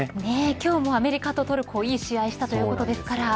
今日もアメリカとトルコいい試合したということですから。